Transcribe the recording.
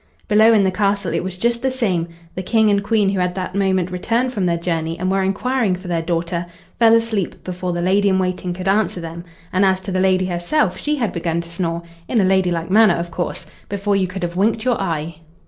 Below in the castle it was just the same. The King and Queen, who had that moment returned from their journey and were enquiring for their daughter, fell asleep before the lady in waiting could answer them, and as to the lady herself she had begun to snore in a ladylike manner, of course before you could have winked your eye.